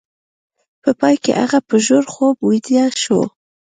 په پای کې هغه په ژور خوب ویده شو